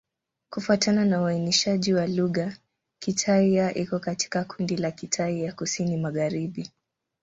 Kufuatana na uainishaji wa lugha, Kitai-Ya iko katika kundi la Kitai ya Kusini-Magharibi.